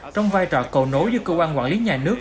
trong vai trò cầu nối giữa cơ quan quản lý nhà nước